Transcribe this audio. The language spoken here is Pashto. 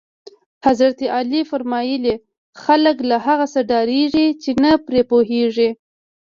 حضرت علی فرمایل: خلک له هغه څه ډارېږي چې نه پرې پوهېږي.